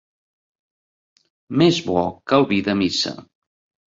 Més bo que el vi de missa.